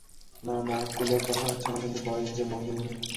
না, না, কুলের কথা হচ্ছে না, কিন্তু বয়েস যে– মহিম।